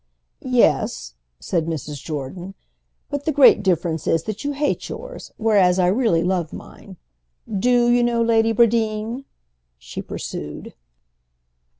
"Yes," said Mrs. Jordan; "but the great difference is that you hate yours, whereas I really love mine. Do you know Lady Bradeen?" she pursued.